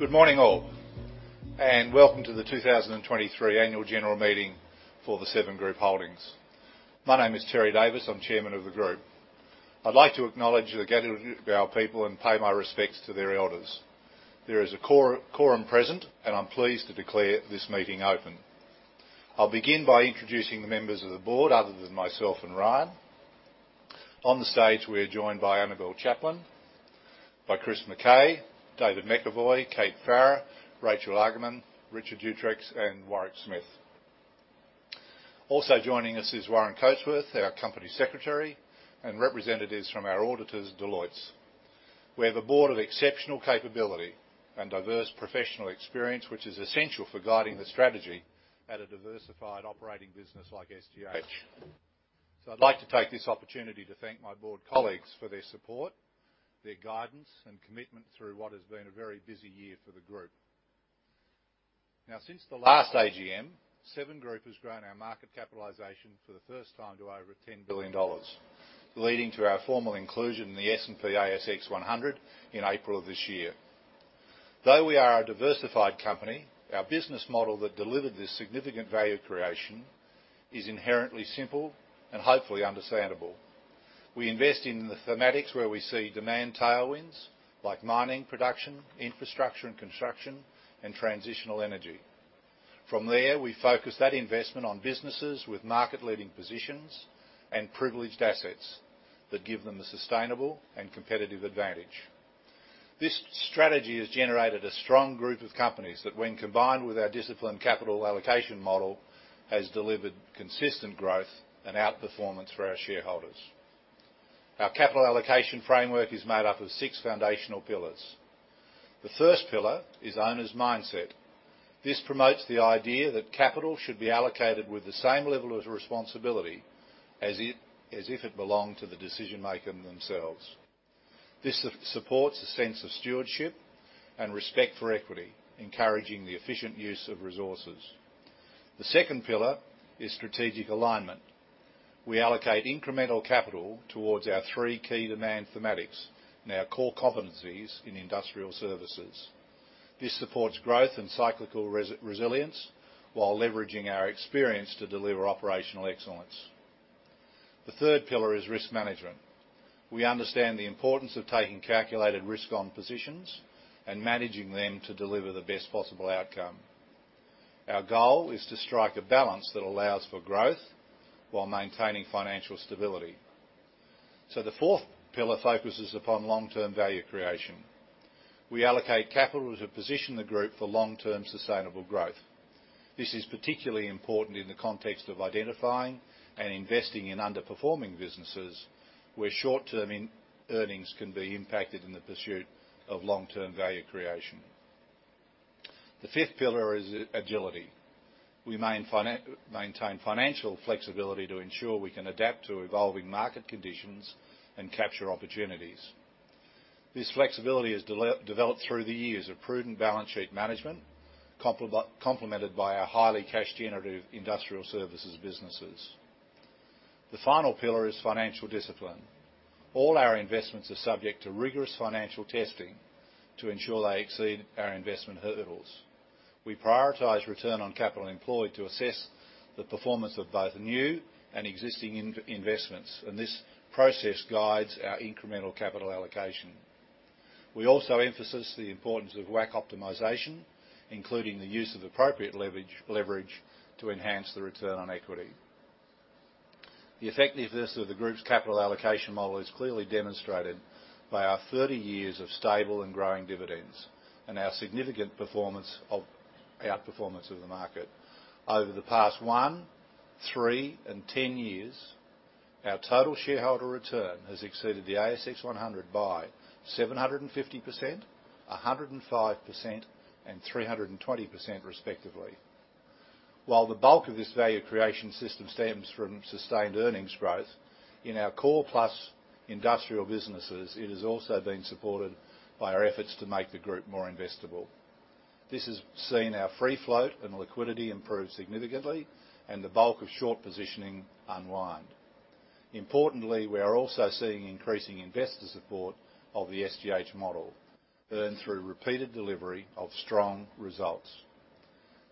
Good morning, all, and welcome to the 2023 Annual General Meeting for the Seven Group Holdings. My name is Terry Davis, I'm chairman of the group. I'd like to acknowledge the Gadigal people and pay my respects to their elders. There is a quorum present, and I'm pleased to declare this meeting open. I'll begin by introducing the members of the board, other than myself and Ryan. On the stage, we are joined by Annabel Chaplain, by Chris Mackay, David McEvoy, Kate Farrar, Rachel Argaman, Richard Richards, and Warwick Smith. Also joining us is Warren Coatsworth, our company secretary, and representatives from our auditors, Deloitte. We have a board of exceptional capability and diverse professional experience, which is essential for guiding the strategy at a diversified operating business like SGH. So I'd like to take this opportunity to thank my board colleagues for their support, their guidance, and commitment through what has been a very busy year for the group. Now, since the last AGM, Seven Group has grown our market capitalization for the first time to over 10 billion dollars, leading to our formal inclusion in the S&P/ASX 100 in April of this year. Though we are a diversified company, our business model that delivered this significant value creation is inherently simple and hopefully understandable. We invest in the thematics where we see demand tailwinds, like mining production, infrastructure and construction, and transitional energy. From there, we focus that investment on businesses with market-leading positions and privileged assets that give them a sustainable and competitive advantage. This strategy has generated a strong group of companies that, when combined with our disciplined capital allocation model, has delivered consistent growth and outperformance for our shareholders. Our capital allocation framework is made up of six foundational pillars. The first pillar is owner's mindset. This promotes the idea that capital should be allocated with the same level of responsibility as it, as if it belonged to the decision-maker themselves. This supports a sense of stewardship and respect for equity, encouraging the efficient use of resources. The second pillar is strategic alignment. We allocate incremental capital towards our three key demand thematics and our core competencies in industrial services. This supports growth and cyclical resilience, while leveraging our experience to deliver operational excellence. The third pillar is risk management. We understand the importance of taking calculated risk on positions and managing them to deliver the best possible outcome. Our goal is to strike a balance that allows for growth while maintaining financial stability. So the fourth pillar focuses upon long-term value creation. We allocate capital to position the group for long-term sustainable growth. This is particularly important in the context of identifying and investing in underperforming businesses, where short-term earnings can be impacted in the pursuit of long-term value creation. The fifth pillar is agility. We maintain financial flexibility to ensure we can adapt to evolving market conditions and capture opportunities. This flexibility is developed through the years of prudent balance sheet management, complemented by our highly cash-generative industrial services businesses. The final pillar is financial discipline. All our investments are subject to rigorous financial testing to ensure they exceed our investment hurdles. We prioritize return on capital employed to assess the performance of both new and existing investments, and this process guides our incremental capital allocation. We also emphasize the importance of WACC optimization, including the use of appropriate leverage to enhance the return on equity. The effectiveness of the group's capital allocation model is clearly demonstrated by our 30 years of stable and growing dividends, and our significant outperformance of the market. Over the past one, three, and 10 years, our total shareholder return has exceeded the ASX 100 by 750%, 105%, and 320%, respectively. While the bulk of this value creation system stems from sustained earnings growth in our core plus industrial businesses, it has also been supported by our efforts to make the group more investable. This has seen our free float and liquidity improve significantly and the bulk of short positioning unwind. Importantly, we are also seeing increasing investor support of the SGH model earned through repeated delivery of strong results.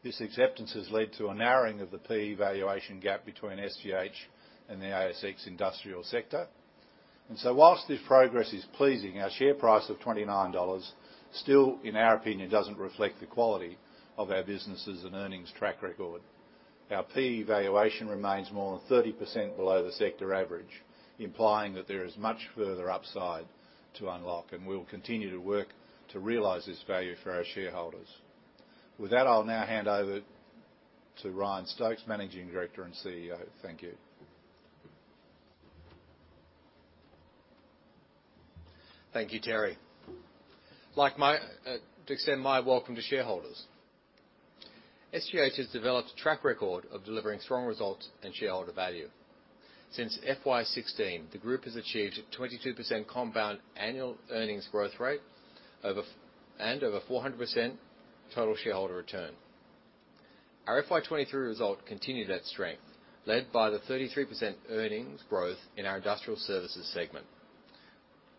This acceptance has led to a narrowing of the PE valuation gap between SGH and the ASX industrial sector. So, whilst this progress is pleasing, our share price of 29 dollars still, in our opinion, doesn't reflect the quality of our businesses and earnings track record. Our PE valuation remains more than 30% below the sector average, implying that there is much further upside to unlock, and we will continue to work to realize this value for our shareholders. With that, I'll now hand over to Ryan Stokes, Managing Director and CEO. Thank you. Thank you, Terry. I'd like to extend my welcome to shareholders. SGH has developed a track record of delivering strong results and shareholder value. Since FY 2016, the group has achieved a 22% compound annual earnings growth rate over five years and over 400% total shareholder return. Our FY 2023 result continued that strength, led by the 33% earnings growth in our industrial services segment.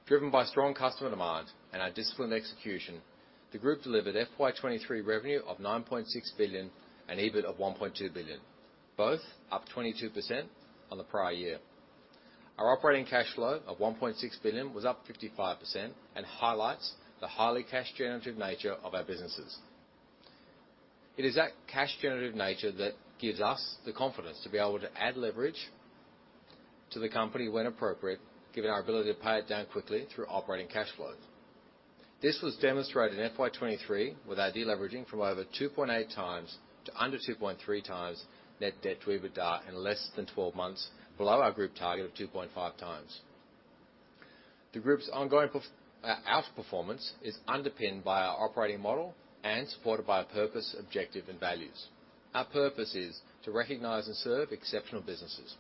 Driven by strong customer demand and our disciplined execution, the group delivered FY 2023 revenue of AUD 9.6 billion and EBIT of AUD 1.2 billion, both up 22% on the prior year. Our operating cash flow of AUD 1.6 billion was up 55% and highlights the highly cash generative nature of our businesses. It is that cash generative nature that gives us the confidence to be able to add leverage to the company when appropriate, given our ability to pay it down quickly through operating cash flows. This was demonstrated in FY 2023, with our deleveraging from over 2.8 times to under 2.3 times net debt to EBITDA in less than 12 months, below our group target of 2.5 times. The group's ongoing outperformance is underpinned by our operating model and supported by our purpose, objective and values. Our purpose is to recognize and serve exceptional businesses.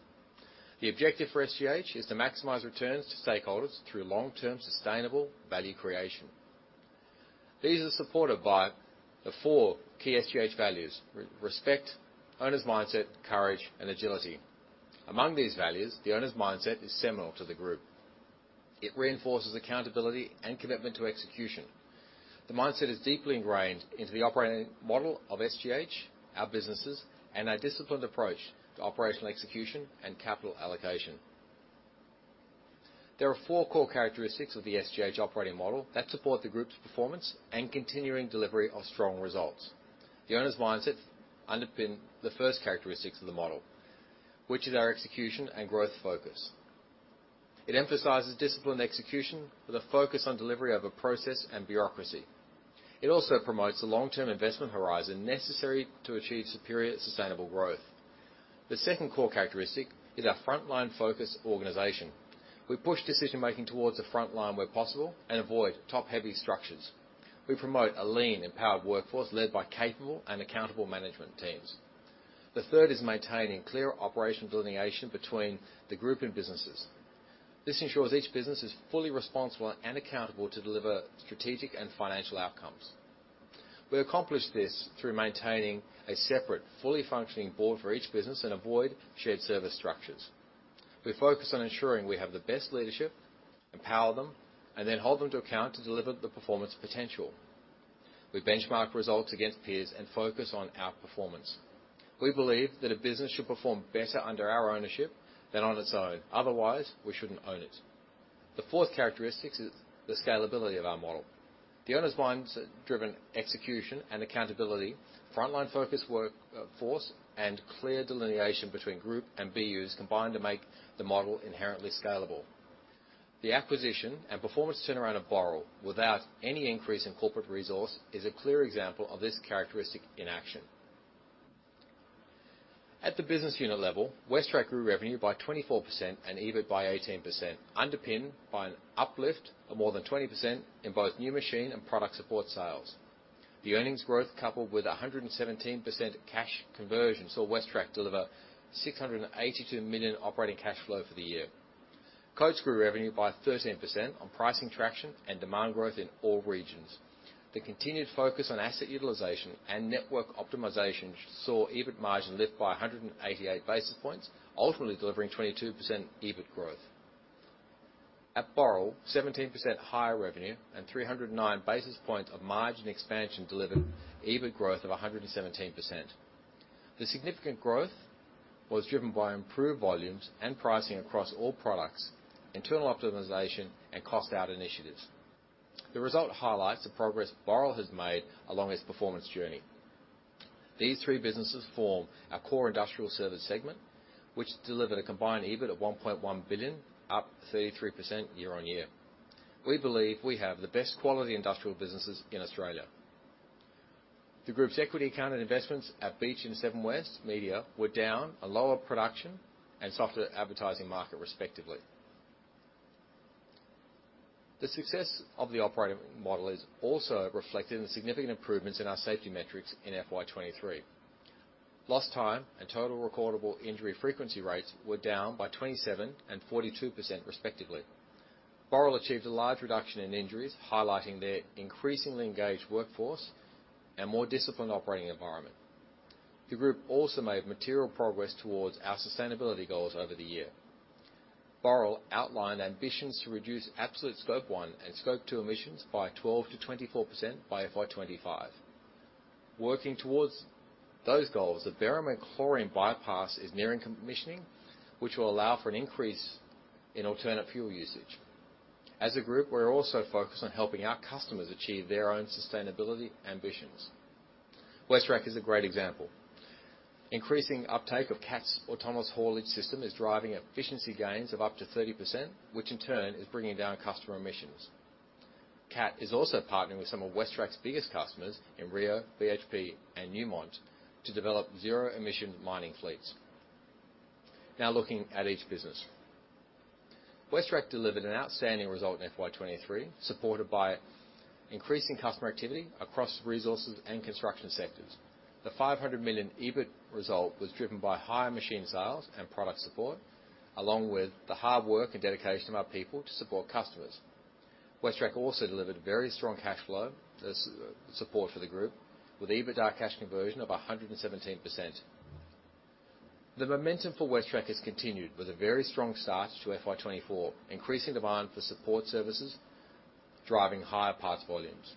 The objective for SGH is to maximize returns to stakeholders through long-term sustainable value creation. These are supported by the four key SGH values: respect, owner's mindset, courage, and agility. Among these values, the owner's mindset is seminal to the group. It reinforces accountability and commitment to execution. The mindset is deeply ingrained into the operating model of SGH, our businesses, and our disciplined approach to operational execution and capital allocation. There are four core characteristics of the SGH operating model that support the group's performance and continuing delivery of strong results. The owner's mindset underpin the first characteristics of the model, which is our execution and growth focus. It emphasizes disciplined execution with a focus on delivery over process and bureaucracy. It also promotes the long-term investment horizon necessary to achieve superior, sustainable growth. The second core characteristic is our frontline-focused organization. We push decision making towards the frontline where possible and avoid top-heavy structures. We promote a lean, empowered workforce led by capable and accountable management teams. The third is maintaining clear operation delineation between the group and businesses. This ensures each business is fully responsible and accountable to deliver strategic and financial outcomes. We accomplish this through maintaining a separate, fully functioning board for each business and avoid shared service structures. We focus on ensuring we have the best leadership, empower them, and then hold them to account to deliver the performance potential. We benchmark results against peers and focus on our performance. We believe that a business should perform better under our ownership than on its own, otherwise we shouldn't own it. The fourth characteristic is the scalability of our model. The owner's mindset, driven execution and accountability, frontline focus work, force, and clear delineation between group and BUs, combine to make the model inherently scalable. The acquisition and performance turnaround of Boral without any increase in corporate resource is a clear example of this characteristic in action. At the business unit level, WesTrac grew revenue by 24% and EBIT by 18%, underpinned by an uplift of more than 20% in both new machine and product support sales. The earnings growth, coupled with a 117% cash conversion, saw WesTrac deliver 682 million operating cash flow for the year. Coates grew revenue by 13% on pricing traction and demand growth in all regions. The continued focus on asset utilization and network optimization saw EBIT margin lift by 188 basis points, ultimately delivering 22% EBIT growth. At Boral, 17% higher revenue and 309 basis points of margin expansion delivered EBIT growth of 117%. The significant growth was driven by improved volumes and pricing across all products, internal optimization, and cost out initiatives. The result highlights the progress Boral has made along its performance journey. These three businesses form our core industrial service segment, which delivered a combined EBIT of 1.1 billion, up 33% year-on-year. We believe we have the best quality industrial businesses in Australia. The group's equity accounted investments at Beach and Seven West Media were down on lower production and softer advertising market, respectively. The success of the operating model is also reflected in the significant improvements in our safety metrics in FY 2023. Lost time and total recordable injury frequency rates were down by 27% and 42% respectively. Boral achieved a large reduction in injuries, highlighting their increasingly engaged workforce and more disciplined operating environment. The group also made material progress towards our sustainability goals over the year. Boral outlined ambitions to reduce absolute Scope 1 and Scope 2 emissions by 12%-24% by FY 2025. Working towards those goals, the Barrow Chlorine Bypass is nearing commissioning, which will allow for an increase in alternate fuel usage. As a group, we're also focused on helping our customers achieve their own sustainability ambitions. WesTrac is a great example. Increasing uptake of Cat's autonomous haulage system is driving efficiency gains of up to 30%, which in turn is bringing down customer emissions. Cat is also partnering with some of WesTrac's biggest customers in Rio, BHP and Newmont to develop zero-emission mining fleets. Now looking at each business. WesTrac delivered an outstanding result in FY 2023, supported by increasing customer activity across resources and construction sectors. The 500 million EBIT result was driven by higher machine sales and product support, along with the hard work and dedication of our people to support customers. WesTrac also delivered very strong cash flow as support for the group, with EBITDA cash conversion of 117%. The momentum for WesTrac has continued with a very strong start to FY 2024, increasing demand for support services, driving higher parts volumes.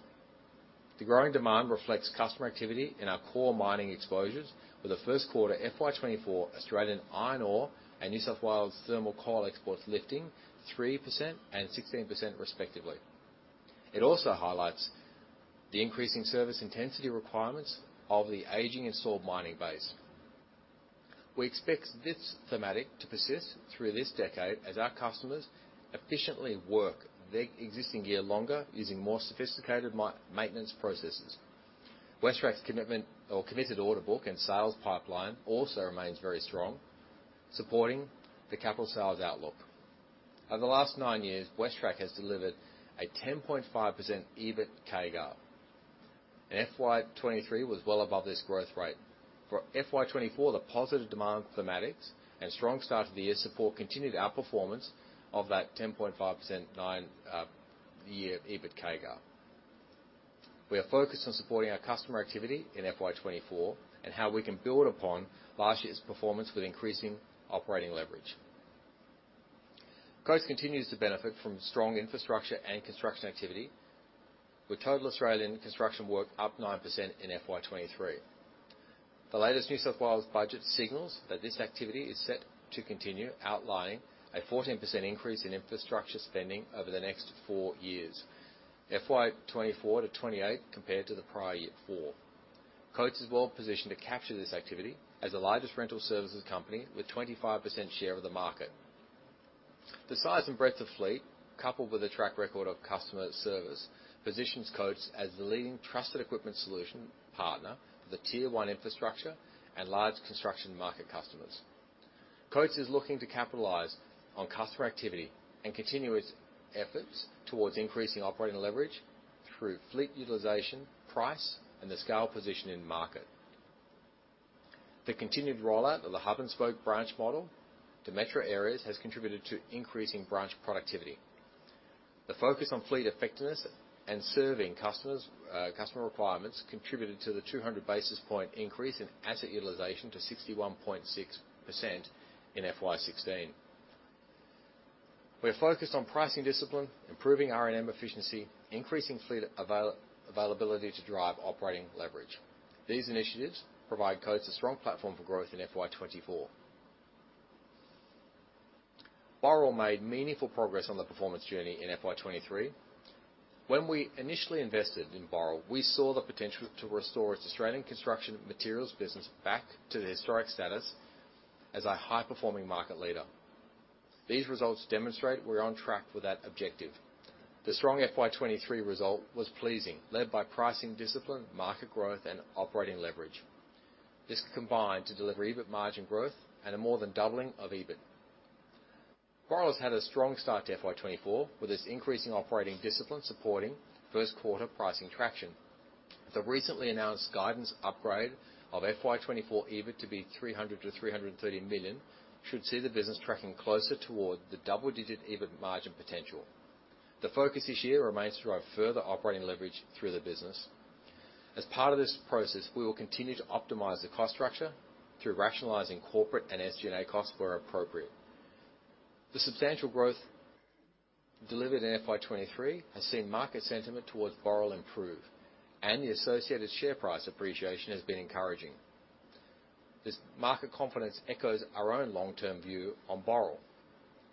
The growing demand reflects customer activity in our core mining exposures, with the Q1 FY 2024 Australian iron ore and New South Wales thermal coal exports lifting 3% and 16% respectively. It also highlights the increasing service intensity requirements of the aging and larger mining base. We expect this thematic to persist through this decade as our customers efficiently work their existing gear longer, using more sophisticated maintenance processes. WesTrac's commitment or committed order book and sales pipeline also remains very strong, supporting the capital sales outlook. Over the last nine years, WesTrac has delivered a 10.5% EBIT CAGR, and FY 2023 was well above this growth rate. For FY 2024, the positive demand thematics and strong start to the year support continued outperformance of that 10.5% nine-year EBIT CAGR. We are focused on supporting our customer activity in FY 2024 and how we can build upon last year's performance with increasing operating leverage. Coates continues to benefit from strong infrastructure and construction activity, with total Australian construction work up 9% in FY 2023. The latest New South Wales budget signals that this activity is set to continue, outlining a 14% increase in infrastructure spending over the next 4 years, FY 2024-2028, compared to the prior year 2024. Coates is well positioned to capture this activity as the largest rental services company with 25% share of the market. The size and breadth of fleet, coupled with a track record of customer service, positions Coates as the leading trusted equipment solution partner for the Tier One infrastructure and large construction market customers. Coates is looking to capitalize on customer activity and continue its efforts towards increasing operating leverage through fleet utilization, price, and the scale position in the market. The continued rollout of the hub and spoke branch model to metro areas has contributed to increasing branch productivity. The focus on fleet effectiveness and serving customers, customer requirements, contributed to the 200 basis point increase in asset utilization to 61.6% in FY 2016. We are focused on pricing discipline, improving R&M efficiency, increasing fleet availability to drive operating leverage. These initiatives provide Coates a strong platform for growth in FY 2024. Boral made meaningful progress on the performance journey in FY 2023. When we initially invested in Boral, we saw the potential to restore its Australian construction materials business back to the historic status as a high-performing market leader. These results demonstrate we're on track for that objective. The strong FY 2023 result was pleasing, led by pricing discipline, market growth, and operating leverage. This combined to deliver EBIT margin growth and a more than doubling of EBIT. Boral's had a strong start to FY 2024, with its increasing operating discipline supporting Q1 pricing traction. The recently announced guidance upgrade of FY 2024 EBIT to be 300-330 million should see the business tracking closer toward the double-digit EBIT margin potential. The focus this year remains to drive further operating leverage through the business. As part of this process, we will continue to optimize the cost structure through rationalizing corporate and SG&A costs where appropriate. The substantial growth delivered in FY 2023 has seen market sentiment towards Boral improve, and the associated share price appreciation has been encouraging. This market confidence echoes our own long-term view on Boral.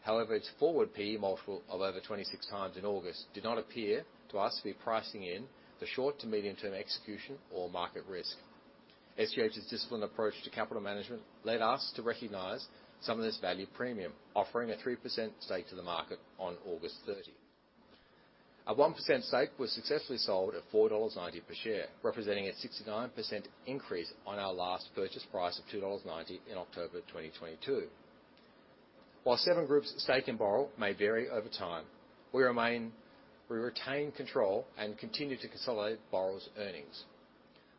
However, its forward PE multiple of over 26x in August did not appear to us to be pricing in the short to medium-term execution or market risk. SGH's disciplined approach to capital management led us to recognize some of this value premium, offering a 3% stake to the market on August 30. Our 1% stake was successfully sold at 4.90 dollars per share, representing a 69% increase on our last purchase price of 2.90 dollars in October 2022. While Seven Group's stake in Boral may vary over time, we remain, we retain control and continue to consolidate Boral's earnings.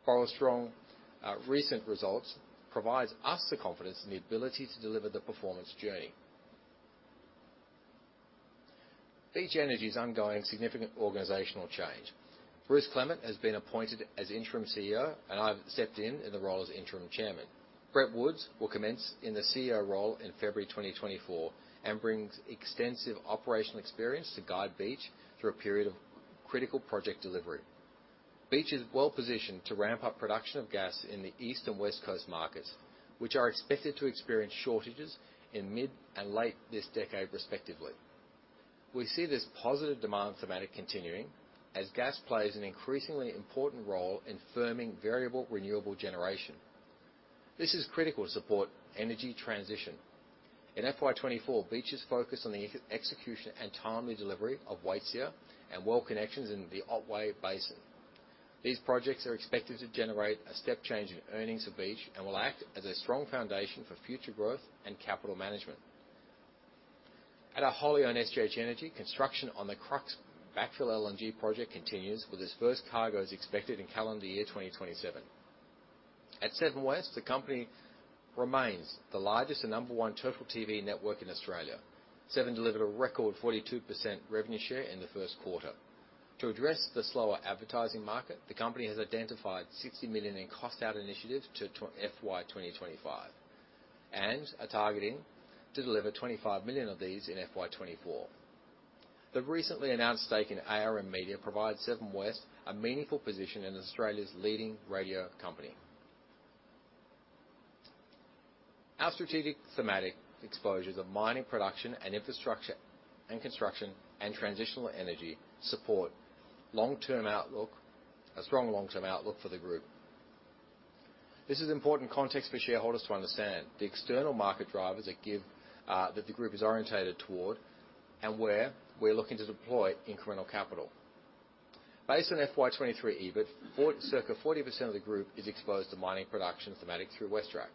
Boral's strong, recent results provides us the confidence and the ability to deliver the performance journey. Beach Energy's ongoing significant organizational change. Bruce Clement has been appointed as Interim CEO, and I've stepped in in the role as Interim Chairman. Brett Woods will commence in the CEO role in February 2024 and brings extensive operational experience to guide Beach through a period of critical project delivery. Beach is well positioned to ramp up production of gas in the East and West Coast markets, which are expected to experience shortages in mid and late this decade, respectively. We see this positive demand thematic continuing, as gas plays an increasingly important role in firming variable renewable generation. This is critical to support energy transition. In FY 2024, Beach is focused on the execution and timely delivery of Waitsia and well connections in the Otway Basin. These projects are expected to generate a step change in earnings of Beach and will act as a strong foundation for future growth and capital management. At our wholly owned SGH Energy, construction on the Crux Backfill LNG project continues, with its first cargo expected in calendar year 2027. At Seven West, the company remains the largest and number one total TV network in Australia. Seven delivered a record 42% revenue share in the Q1. To address the slower advertising market, the company has identified 60 million in cost out initiatives to FY 2025, and are targeting to deliver 25 million of these in FY 2024. The recently announced stake in ARN Media provides Seven West a meaningful position in Australia's leading radio company. Our strategic thematic exposures of mining production and infrastructure and construction, and transitional energy support long-term outlook a strong long-term outlook for the group. This is important context for shareholders to understand the external market drivers that give, that the group is oriented toward, and where we're looking to deploy incremental capital. Based on FY 2023 EBIT, circa 40% of the group is exposed to mining production thematic through WesTrac.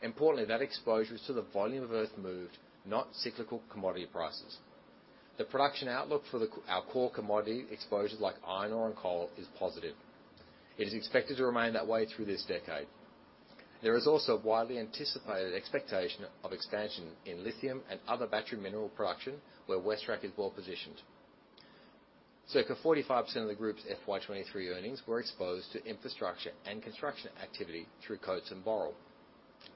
Importantly, that exposure is to the volume of earth moved, not cyclical commodity prices. The production outlook for our core commodity exposures, like iron ore and coal, is positive. It is expected to remain that way through this decade. There is also a widely anticipated expectation of expansion in lithium and other battery mineral production, where WesTrac is well positioned. Circa 45% of the group's FY 2023 earnings were exposed to infrastructure and construction activity through Coates and Boral.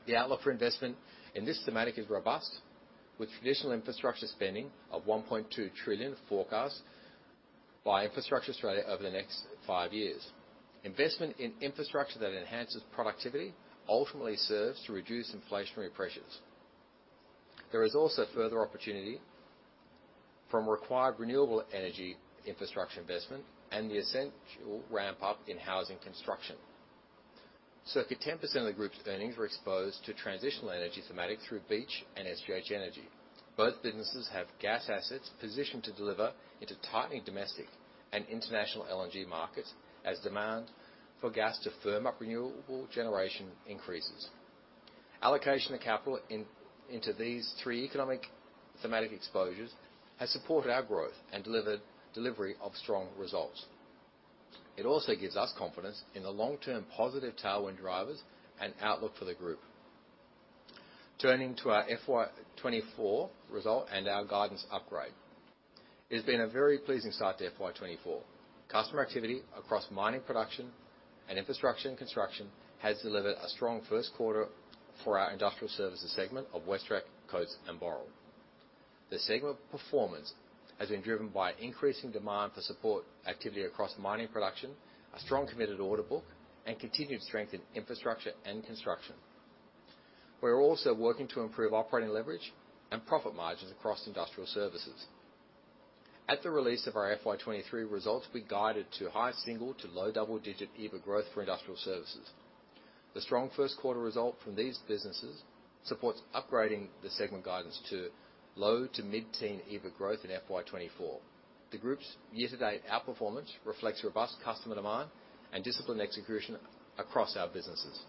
The outlook for investment in this thematic is robust, with traditional infrastructure spending of 1.2 trillion forecast by Infrastructure Australia over the next 5 years. Investment in infrastructure that enhances productivity ultimately serves to reduce inflationary pressures. There is also further opportunity from required renewable energy infrastructure investment and the essential ramp up in housing construction. Circa 10% of the group's earnings were exposed to transitional energy thematic through Beach and SGH Energy. Both businesses have gas assets positioned to deliver into tightening domestic and international LNG markets, as demand for gas to firm up renewable generation increases. Allocation of capital in, into these three economic thematic exposures has supported our growth and delivered delivery of strong results. It also gives us confidence in the long-term positive tailwind drivers and outlook for the group. Turning to our FY 2024 result and our guidance upgrade. It's been a very pleasing start to FY 2024. Customer activity across mining production and infrastructure and construction has delivered a strong Q1 for our industrial services segment of WesTrac, Coates, and Boral. The segment performance has been driven by increasing demand for support activity across mining production, a strong committed order book, and continued strength in infrastructure and construction. We're also working to improve operating leverage and profit margins across industrial services. At the release of our FY 2023 results, we guided to high single- to low double-digit EBIT growth for industrial services. The strong Q1 result from these businesses supports upgrading the segment guidance to low to mid-teen EBIT growth in FY 2024. The group's year-to-date outperformance reflects robust customer demand and disciplined execution across our businesses.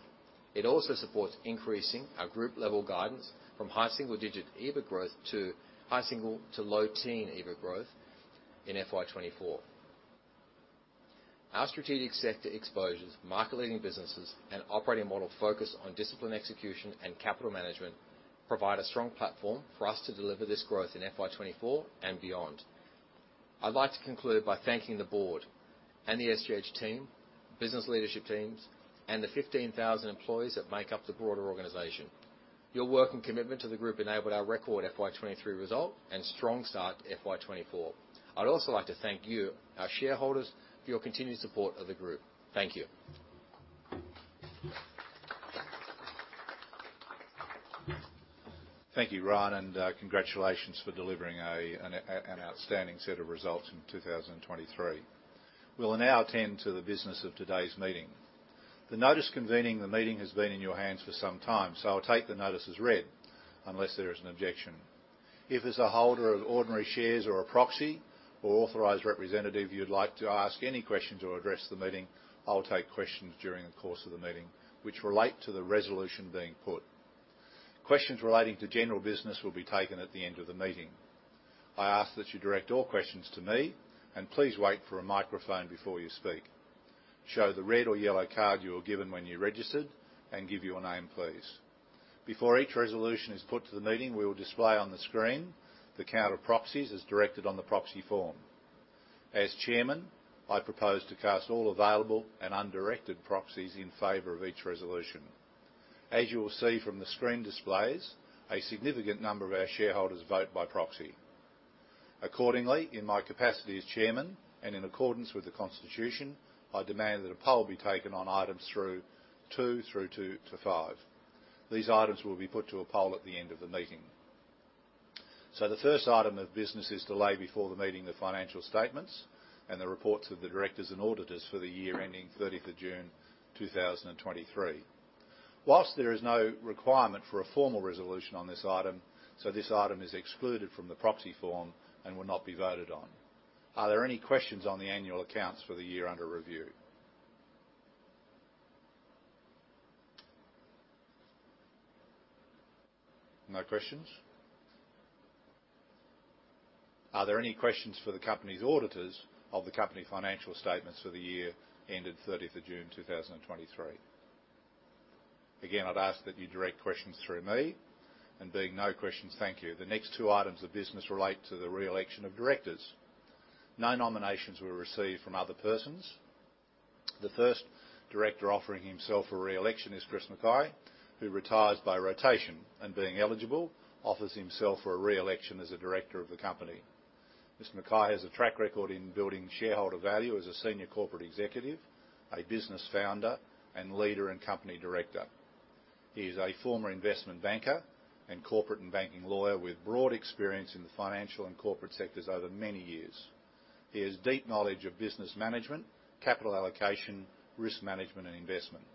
It also supports increasing our group-level guidance from high single-digit EBIT growth to high single- to low teen EBIT growth in FY 2024. Our strategic sector exposures, market-leading businesses, and operating model focus on disciplined execution and capital management provide a strong platform for us to deliver this growth in FY 2024 and beyond. I'd like to conclude by thanking the board and the SGH team, business leadership teams, and the 15,000 employees that make up the broader organization. Your work and commitment to the group enabled our record FY 2023 result and strong start to FY 2024. I'd also like to thank you, our shareholders, for your continued support of the group. Thank you. Thank you, Ryan, and congratulations for delivering an outstanding set of results in 2023. We'll now attend to the business of today's meeting. The notice convening the meeting has been in your hands for some time, so I'll take the notice as read, unless there is an objection. If, as a holder of ordinary shares or a proxy or authorized representative, you'd like to ask any questions or address the meeting, I'll take questions during the course of the meeting which relate to the resolution being put. Questions relating to general business will be taken at the end of the meeting. I ask that you direct all questions to me and please wait for a microphone before you speak. Show the red or yellow card you were given when you registered and give your name, please. Before each resolution is put to the meeting, we will display on the screen the count of proxies, as directed on the proxy form. As chairman, I propose to cast all available and undirected proxies in favor of each resolution. As you will see from the screen displays, a significant number of our shareholders vote by proxy. Accordingly, in my capacity as chairman and in accordance with the Constitution, I demand that a poll be taken on items 2 through to 5. These items will be put to a poll at the end of the meeting. So the first item of business is to lay before the meeting the financial statements and the reports of the directors and auditors for the year ending 30th of June, 2023. While there is no requirement for a formal resolution on this item, so this item is excluded from the proxy form and will not be voted on. Are there any questions on the annual accounts for the year under review?... No questions? Are there any questions for the company's auditors of the company financial statements for the year ending 30 June 2023? Again, I'd ask that you direct questions through me, and being no questions, thank you. The next two items of business relate to the reelection of directors. No nominations were received from other persons. The first director offering himself for reelection is Chris Mackay, who retires by rotation and, being eligible, offers himself for a reelection as a director of the company. Mr. Mackay has a track record in building shareholder value as a senior corporate executive, a business founder, and leader and company director. He is a former investment banker and corporate and banking lawyer with broad experience in the financial and corporate sectors over many years. He has deep knowledge of business management, capital allocation, risk management, and investment.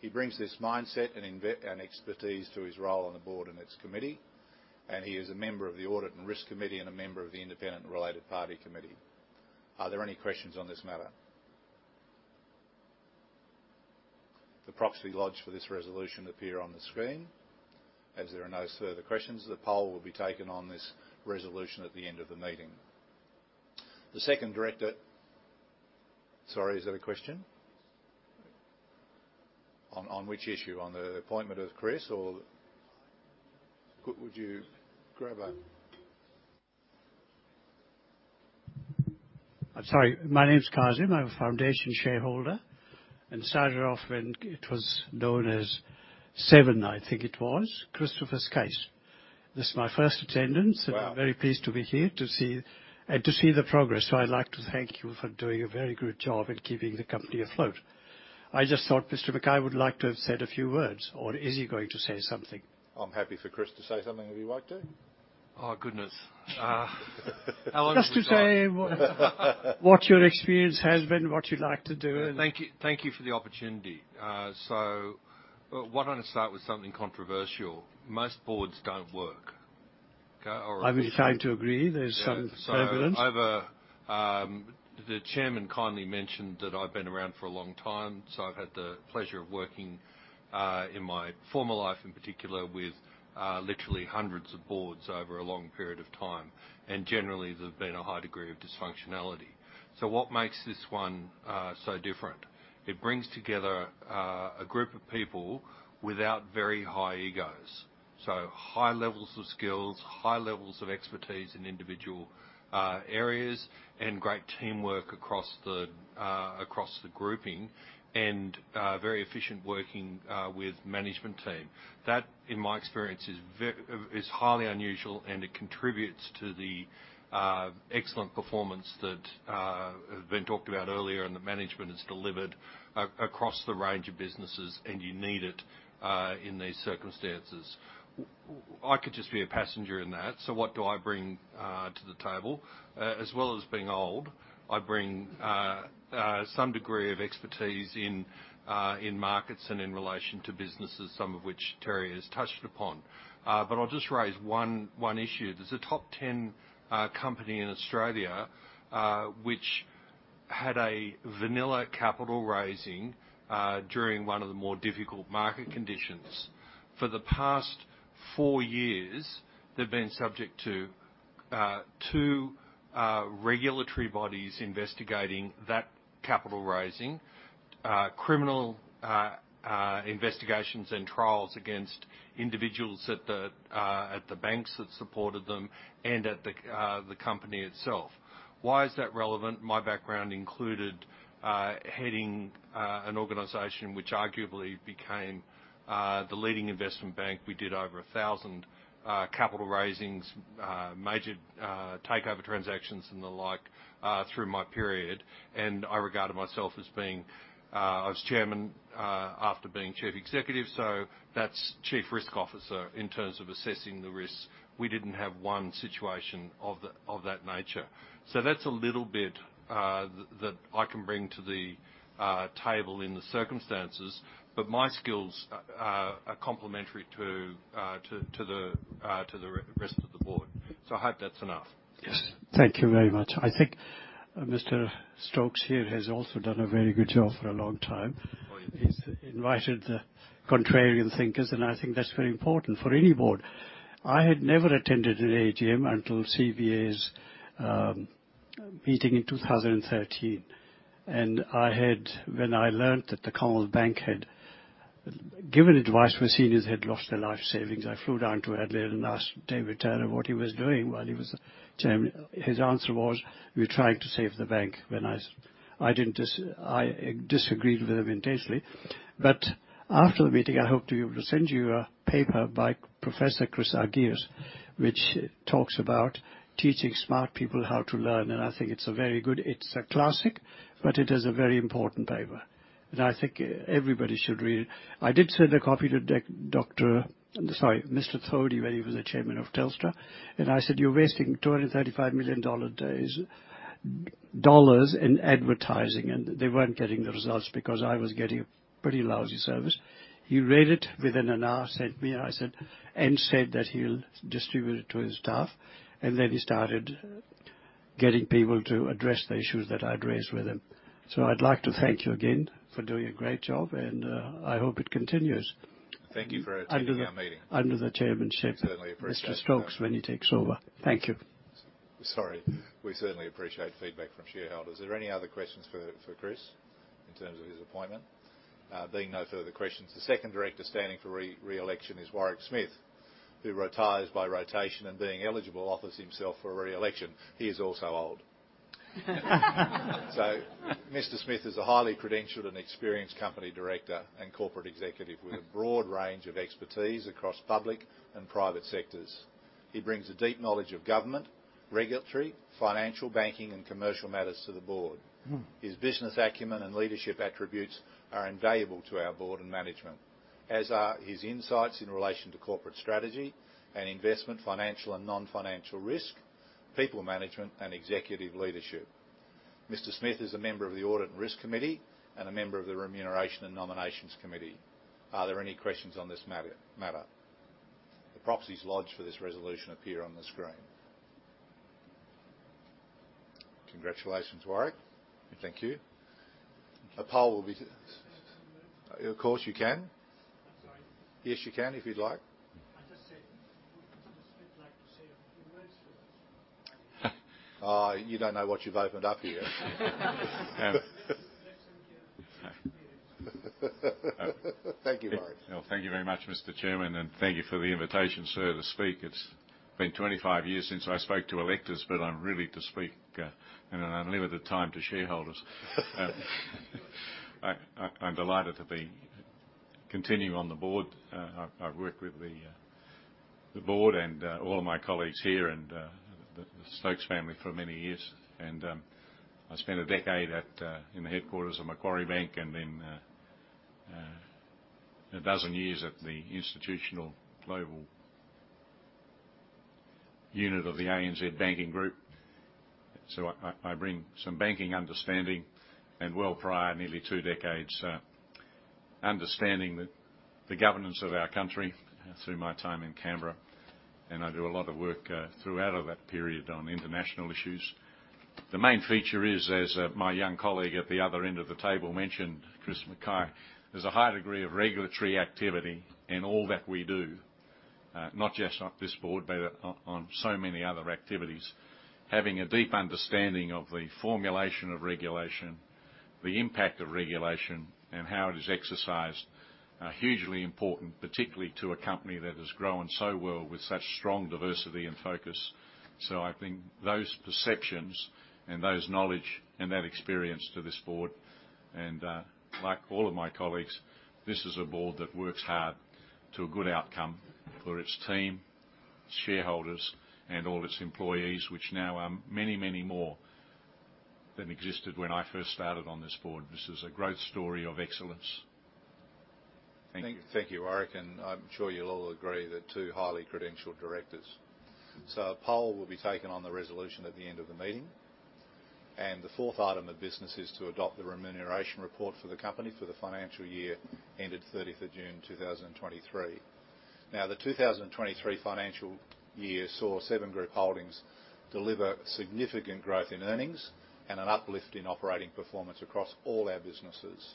He brings this mindset and expertise to his role on the board and its committee, and he is a member of the Audit and Risk Committee and a member of the Independent and Related Party Committee. Are there any questions on this matter? The proxy lodge for this resolution appear on the screen. As there are no further questions, the poll will be taken on this resolution at the end of the meeting. The second director. Sorry, is that a question? On which issue? On the appointment of Chris, or would you grab a. I'm sorry. My name is Kazim. I'm a foundation shareholder and started off when it was known as Seven, I think it was, Christopher Skase. This is my first attendance. Wow! And I'm very pleased to be here, to see, and to see the progress. So I'd like to thank you for doing a very good job in keeping the company afloat. I just thought Mr. Mackay would like to have said a few words, or is he going to say something? I'm happy for Chris to say something, if you'd like to. Oh, goodness. How long? Just to say what your experience has been, what you like to do and. Thank you, thank you for the opportunity. So why don't I start with something controversial? Most boards don't work, okay? I'm inclined to agree. There's some evidence. So I have a. The chairman kindly mentioned that I've been around for a long time, so I've had the pleasure of working in my former life, in particular, with literally hundreds of boards over a long period of time, and generally, there's been a high degree of dysfunctionality. So what makes this one so different? It brings together a group of people without very high egos. So high levels of skills, high levels of expertise in individual areas, and great teamwork across the grouping, and very efficient working with management team. That, in my experience, is highly unusual, and it contributes to the excellent performance that have been talked about earlier, and the management has delivered across the range of businesses, and you need it in these circumstances. I could just be a passenger in that, so what do I bring to the table? As well as being old, I bring some degree of expertise in markets and in relation to businesses, some of which Terry has touched upon. But I'll just raise one issue. There's a top 10 company in Australia, which had a vanilla capital raising during one of the more difficult market conditions. For the past four years, they've been subject to two regulatory bodies investigating that capital raising, criminal investigations and trials against individuals at the banks that supported them and at the company itself. Why is that relevant? My background included heading an organization which arguably became the leading investment bank. We did over 1,000 capital raisings, major takeover transactions and the like through my period, and I regarded myself as being, I was Chairman after being Chief Executive, so that's Chief Risk Officer in terms of assessing the risks. We didn't have one situation of the, of that nature. So that's a little bit that I can bring to the table in the circumstances, but my skills are complementary to the rest of the board. So I hope that's enough. Yes. Thank you very much. I think Mr. Stokes here has also done a very good job for a long time. Oh, yes. He's invited the contrarian thinkers, and I think that's very important for any board. I had never attended an AGM until CBA's meeting in 2013, and when I learned that the Commonwealth Bank had given advice where seniors had lost their life savings, I flew down to Adelaide and asked David Tyler what he was doing while he was chairman. His answer was: "We tried to save the bank." I disagreed with him intensely. But after the meeting, I hoped to be able to send you a paper by Professor Chris Argyris, which talks about teaching smart people how to learn, and I think it's a very good... It's a classic, but it is a very important paper, and I think everybody should read it. I did send a copy to Dec- Doctor, sorry, Mr. Thodey, when he was the chairman of Telstra, and I said, "You're wasting 235 million dollars in advertising," and they weren't getting the results because I was getting a pretty lousy service. He read it within an hour, sent me, and said that he'll distribute it to his staff, and then he started getting people to address the issues that I'd raised with them. So I'd like to thank you again for doing a great job, and I hope it continues. Thank you for attending our meeting. Under the chairmanship We certainly appreciate that. Mr. Stokes, when he takes over. Thank you. Sorry. We certainly appreciate feedback from shareholders. Are there any other questions for Chris, in terms of his appointment? Being no further questions, the second director standing for re-election is Warwick Smith, who retires by rotation and being eligible, offers himself for re-election. He is also old. So Mr. Smith is a highly credentialed and experienced company director and corporate executive with a broad range of expertise across public and private sectors. He brings a deep knowledge of government, regulatory, financial, banking, and commercial matters to the board. Mm. His business acumen and leadership attributes are invaluable to our board and management, as are his insights in relation to corporate strategy and investment, financial and non-financial risk, people management, and executive leadership. Mr. Smith is a member of the Audit and Risk Committee and a member of the Remuneration and Nominations Committee. Are there any questions on this matter, matter? The proxies lodged for this resolution appear on the screen. Congratulations, Warwick, and thank you. A poll will be. Can I say a few words? Of course, you can. I'm sorry. Yes, you can, if you'd like. I just said, would Mr. Smith like to say a few words to us? Oh, you don't know what you've opened up here. Less than you. Thank you, Warwick. Well, thank you very much, Mr. Chairman, and thank you for the invitation, sir, to speak. It's been 25 years since I spoke to electors, but I'm ready to speak in an unlimited time to shareholders. I'm delighted to be continuing on the board. I've worked with the board and all of my colleagues here, and the Stokes family for many years. I spent a decade in the headquarters of Macquarie Bank and then a dozen years at the institutional global unit of the ANZ banking group. So I bring some banking understanding and well, prior, nearly two decades understanding the governance of our country through my time in Canberra, and I do a lot of work throughout that period on international issues. The main feature is, as my young colleague at the other end of the table mentioned, Chris Mackay, there's a high degree of regulatory activity in all that we do, not just on this board, but on so many other activities. Having a deep understanding of the formulation of regulation, the impact of regulation, and how it is exercised are hugely important, particularly to a company that has grown so well with such strong diversity and focus. So I bring those perceptions and those knowledge and that experience to this board. Like all of my colleagues, this is a board that works hard to a good outcome for its team, shareholders, and all its employees, which now are many, many more than existed when I first started on this board. This is a growth story of excellence. Thank you. Thank you, Warwick, and I'm sure you'll all agree, they're two highly credentialed directors. So a poll will be taken on the resolution at the end of the meeting. The fourth item of business is to adopt the remuneration report for the company for the financial year ended 30 June 2023. Now, the 2023 financial year saw Seven Group Holdings deliver significant growth in earnings and an uplift in operating performance across all our businesses.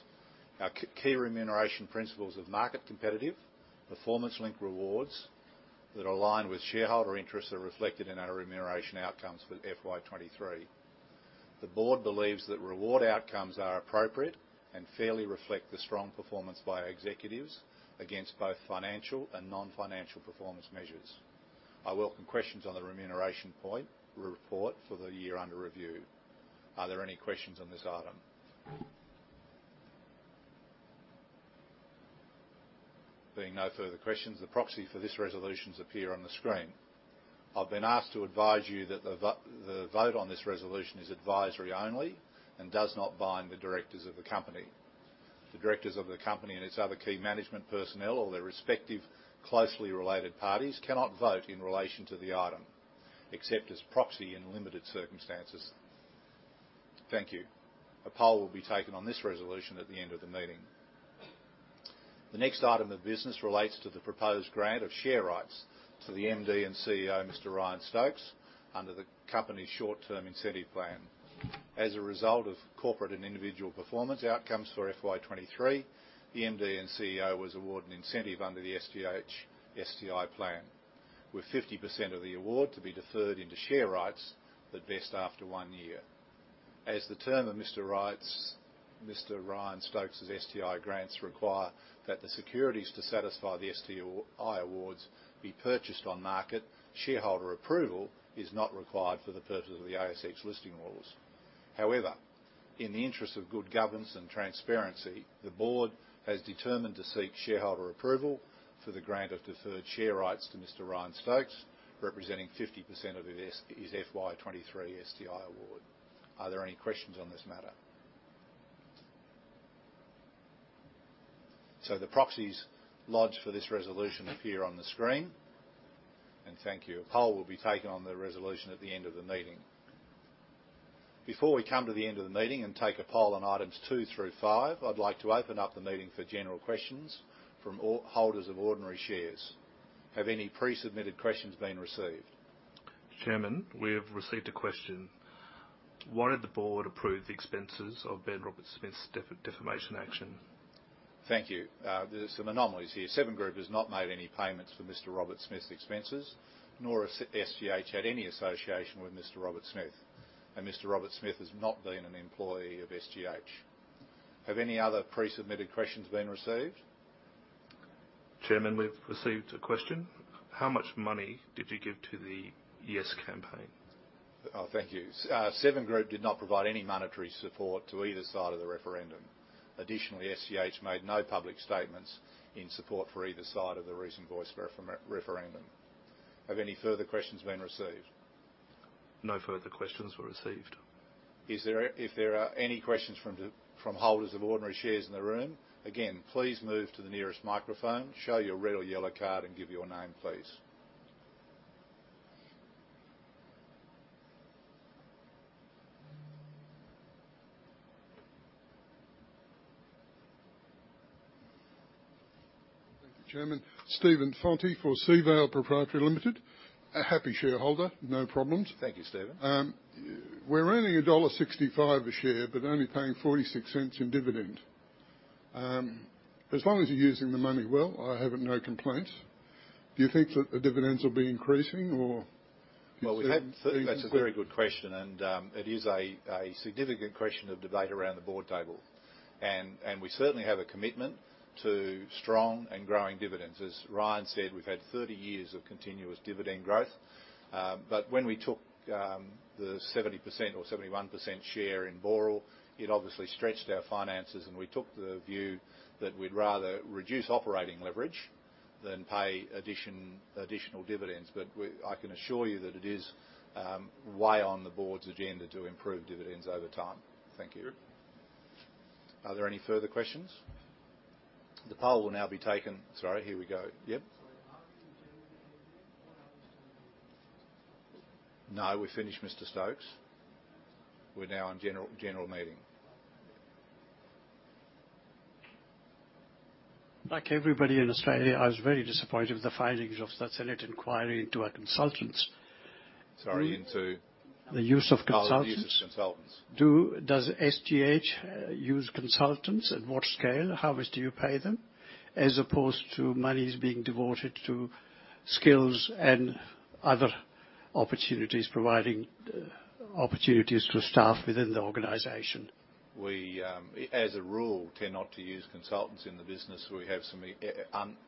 Our key remuneration principles of market competitive, performance-linked rewards that align with shareholder interests are reflected in our remuneration outcomes for FY 23. The board believes that reward outcomes are appropriate and fairly reflect the strong performance by our executives against both financial and non-financial performance measures. I welcome questions on the remuneration report for the year under review. Are there any questions on this item? Being no further questions, the proxy for these resolutions appear on the screen. I've been asked to advise you that the vote on this resolution is advisory only and does not bind the directors of the company. The directors of the company and its other key management personnel or their respective closely related parties cannot vote in relation to the item, except as proxy in limited circumstances. Thank you. A poll will be taken on this resolution at the end of the meeting. The next item of business relates to the proposed grant of share rights to the MD and CEO, Mr. Ryan Stokes, under the company's short-term incentive plan. As a result of corporate and individual performance outcomes for FY 2023, the MD and CEO was awarded an incentive under the SGH STI plan, with 50% of the award to be deferred into share rights, at least after 1 year. As per the terms of Mr. Ryan Stokes's STI grants require that the securities to satisfy the STI awards be purchased on market, shareholder approval is not required for the purposes of the ASX listing rules. However, in the interest of good governance and transparency, the board has determined to seek shareholder approval for the grant of deferred share rights to Mr. Ryan Stokes, representing 50% of his, his FY 2023 STI award. Are there any questions on this matter? So the proxies lodged for this resolution appear on the screen. Thank you. A poll will be taken on the resolution at the end of the meeting... Before we come to the end of the meeting and take a poll on items two through five, I'd like to open up the meeting for general questions from all holders of ordinary shares. Have any pre-submitted questions been received? Chairman, we have received a question: Why did the board approve the expenses of Ben Roberts-Smith's defamation action? Thank you. There's some anomalies here. Seven Group has not made any payments for Mr. Roberts-Smith's expenses, nor has SGH had any association with Mr. Roberts-Smith, and Mr. Roberts-Smith has not been an employee of SGH. Have any other pre-submitted questions been received? Chairman, we've received a question: How much money did you give to the Yes campaign? Oh, thank you. Seven Group did not provide any monetary support to either side of the referendum. Additionally, SGH made no public statements in support for either side of the recent Voice referendum. Have any further questions been received? No further questions were received. If there are any questions from holders of ordinary shares in the room, again, please move to the nearest microphone, show your red or yellow card, and give your name, please. Thank you, Chairman. Steven Falte for Seaval Proprietary Limited. A happy shareholder, no problems. Thank you, Steven. We're earning dollar 1.65 a share, but only paying 0.46 in dividend. As long as you're using the money well, I have no complaints. Do you think that the dividends will be increasing, or...? Well, that's a very good question, and it is a significant question of debate around the board table. And we certainly have a commitment to strong and growing dividends. As Ryan said, we've had 30 years of continuous dividend growth. But when we took the 70% or 71% share in Boral, it obviously stretched our finances, and we took the view that we'd rather reduce operating leverage than pay addition, additional dividends. But I can assure you that it is way on the board's agenda to improve dividends over time. Thank you. Thank you. Are there any further questions? The poll will now be taken. Sorry, here we go. Yep? No, we've finished, Mr. Stokes. We're now on general, general meeting. Like everybody in Australia, I was very disappointed with the findings of the Senate inquiry into our consultants. Sorry, into? The use of consultants. Use of consultants. Does SGH use consultants, at what scale? How much do you pay them, as opposed to monies being devoted to skills and other opportunities, providing opportunities for staff within the organization? We, as a rule, tend not to use consultants in the business. We have some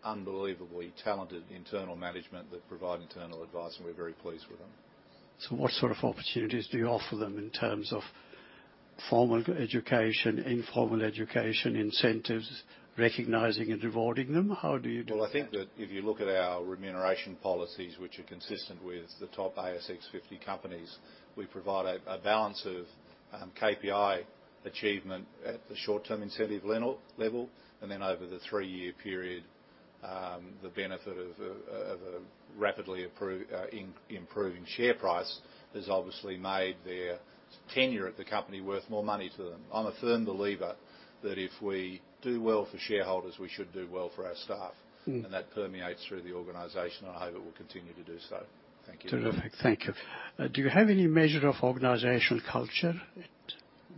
unbelievably talented internal management that provide internal advice, and we're very pleased with them. What sort of opportunities do you offer them in terms of formal education, informal education, incentives, recognizing and rewarding them? How do you do that? Well, I think that if you look at our remuneration policies, which are consistent with the top ASX 50 companies, we provide a balance of KPI achievement at the short-term incentive level, and then over the three-year period, the benefit of a rapidly improving share price has obviously made their tenure at the company worth more money to them. I'm a firm believer that if we do well for shareholders, we should do well for our staff. Mm. That permeates through the organization, and I hope it will continue to do so. Thank you. Terrific. Thank you. Do you have any measure of organizational culture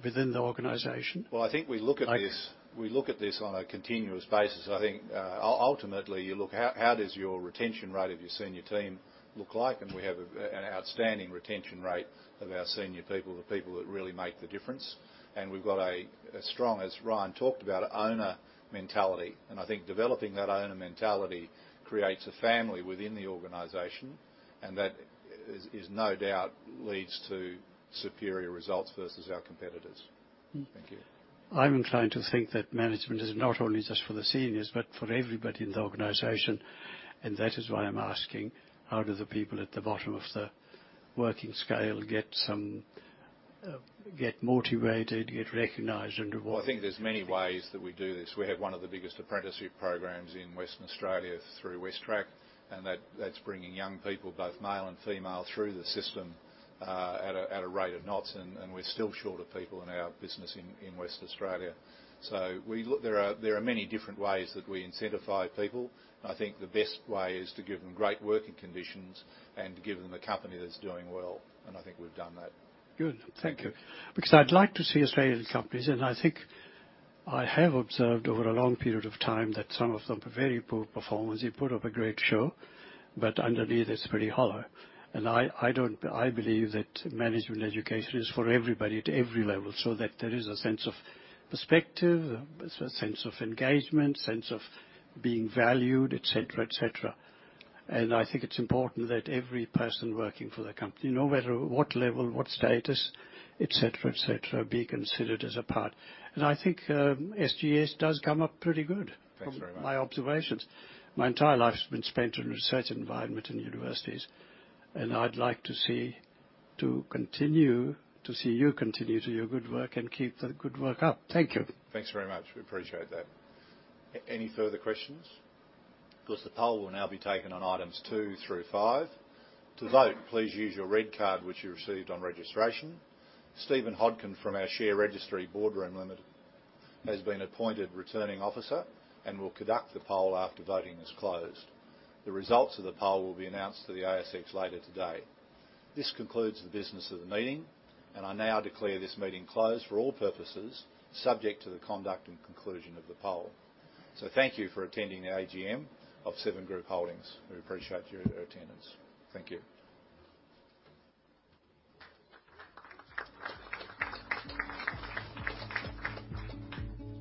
within the organization? Well, I think we look at this. We look at this on a continuous basis. I think, ultimately, you look, how does your retention rate of your senior team look like? And we have an outstanding retention rate of our senior people, the people that really make the difference. And we've got a strong, as Ryan talked about, owner mentality. And I think developing that owner mentality creates a family within the organization, and that no doubt leads to superior results versus our competitors. Thank you. I'm inclined to think that management is not only just for the seniors, but for everybody in the organization, and that is why I'm asking: How do the people at the bottom of the working scale get motivated, get recognized, and rewarded? Well, I think there's many ways that we do this. We have one of the biggest apprenticeship programs in Western Australia through WesTrac, and that, that's bringing young people, both male and female, through the system at a rate of knots, and we're still short of people in our business in Western Australia. There are many different ways that we incentivize people. I think the best way is to give them great working conditions and to give them a company that's doing well, and I think we've done that. Good. Thank you. Because I'd like to see Australian companies, and I think I have observed over a long period of time, that some of them are very poor performers. They put up a great show, but underneath, it's pretty hollow. And I don't... I believe that management education is for everybody at every level, so that there is a sense of perspective, a sense of engagement, sense of being valued, et cetera, et cetera. And I think it's important that every person working for the company, no matter what level, what status, et cetera, et cetera, be considered as a part. And I think SGH does come up pretty good- Thanks very much. From my observations. My entire life has been spent in research environment in universities, and I'd like to see you continue to do your good work and keep the good work up. Thank you. Thanks very much. We appreciate that. Any further questions? Of course, the poll will now be taken on items 2 through 5. To vote, please use your red card, which you received on registration. Steven Hodkin from our share registry, Boardroom Limited, has been appointed Returning Officer and will conduct the poll after voting is closed. The results of the poll will be announced to the ASX later today. This concludes the business of the meeting, and I now declare this meeting closed for all purposes, subject to the conduct and conclusion of the poll. So thank you for attending the AGM of Seven Group Holdings. We appreciate your, your attendance. Thank you.